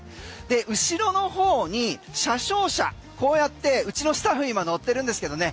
後ろの方に車掌車こうやってうちのスタッフ今、乗ってるんですけどね。